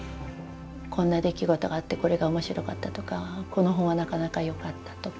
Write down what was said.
こんな出来事があってこれが面白かったとかこの本はなかなか良かったとか。